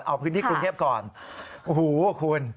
เอาพื้นที่กรุงเทพก่อนโอ้โหคุณ